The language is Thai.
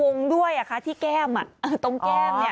วงด้วยอ่ะคะที่แก้มอ่ะตรงแก้มเนี่ย